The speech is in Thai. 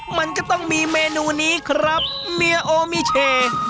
มันก็ต้องมีเมนูนี้ครับเมียโอมิเช